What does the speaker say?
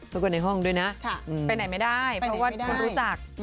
ทุกคนในห้องด้วยนะไปไหนไม่ได้เพราะว่าคนรู้จัก